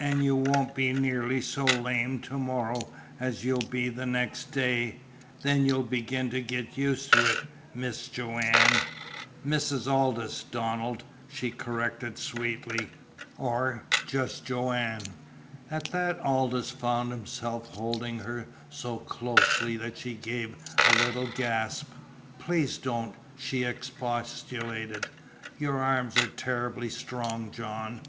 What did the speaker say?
"An' you won't be nearly so lame to morrow as you'll be next day. Then you'll begin to get used to it, Mis' Joanne." "Mrs. Aldous, Donald," she corrected sweetly. "Or just Joanne." At that Aldous found himself holding her so closely that she gave a little gasp. "Please don't," she expostulated. "Your arms are terribly strong, John!"